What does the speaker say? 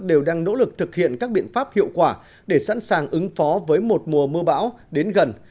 đều đang nỗ lực thực hiện các biện pháp hiệu quả để sẵn sàng ứng phó với một mùa mưa bão đến gần